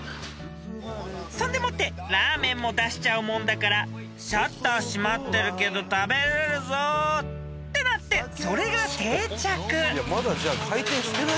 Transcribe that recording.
［そんでもってラーメンも出しちゃうもんだからシャッター閉まってるけど食べれるぞってなってそれが定着］